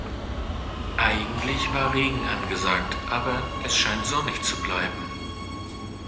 Eigentlich war Regen angesagt, aber es scheint sonnig zu bleiben.